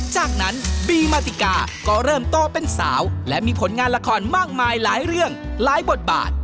จากนั้นบีมาติกาก็เริ่มโตเป็นสาวและมีผลงานละครมากมายหลายเรื่องหลายบทบาท